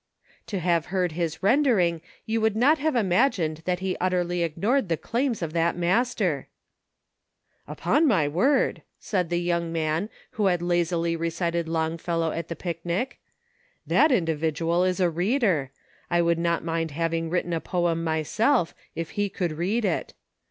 To have heard his rendering you would not have imagined that he utterly ignored the claims of that Master !" Upon my word," said the young man, who had lazily recited Longfellow, at the picnic, "that indi vidual is a reader ! I would not mind having written a poem myself, if he would read it.